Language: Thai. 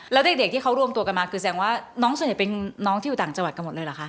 แล้วเด็กที่เขารวมตัวกันมาคือแสดงว่าน้องส่วนใหญ่เป็นน้องที่อยู่ต่างจังหวัดกันหมดเลยเหรอคะ